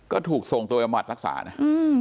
ก็ถูกส่งตัวไปบำบัดรักษานะ